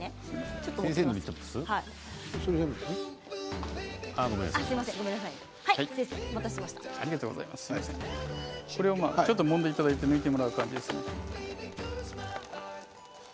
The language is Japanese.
ちょっともんでいただいて抜いてもらう感じですね。